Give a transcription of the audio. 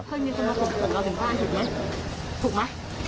ถูกมะ